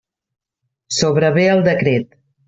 Sobrevé el decret.